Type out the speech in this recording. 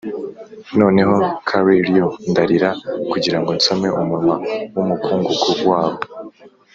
noneho curlew ndarira kugirango nsome umunwa wumukungugu wabo.